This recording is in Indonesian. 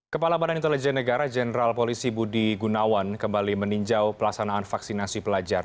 kepala badan intelijen negara jenderal polisi budi gunawan kembali meninjau pelaksanaan vaksinasi pelajar